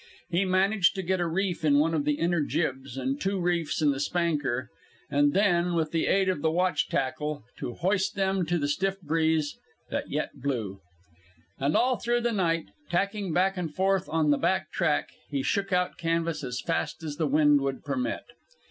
He managed to get a reef in one of the inner jibs and two reefs in the spanker, and then, with the aid of the watch tackle, to hoist them to the stiff breeze that yet blew. And all through the night, tacking back and forth on the back track, he shook out canvas as fast as the wind would permit.